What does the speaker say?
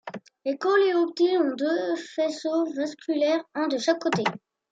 Les coléoptiles ont deux faisceaux vasculaires, un de chaque côté.